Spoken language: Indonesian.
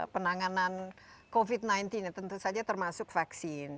penanganan covid sembilan belas ya tentu saja termasuk vaksin